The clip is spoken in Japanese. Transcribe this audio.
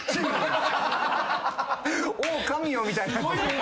「おお神よ」みたいになってる。